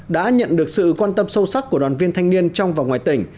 đã nhận được sự quan tâm sâu sắc của đoàn viên thanh niên trong và ngoài tỉnh